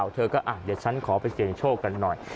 เธอก็อ่ะเดี๋ยวฉันขอไปเกียรติโชคกันหน่อย